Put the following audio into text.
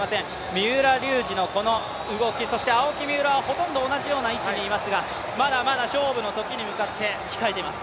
三浦龍司の動き、青木、三浦はほとんど同じような位置にいますがまだまだ勝負の時に向かって控えています。